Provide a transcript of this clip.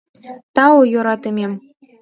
— Тау, йӧратымем!